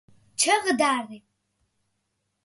ჩე დღა რე